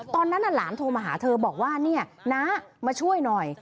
ตอนนั้นหลานโทรมาหาเธอบอกว่าเนี่ยน้ามาช่วยหน่อย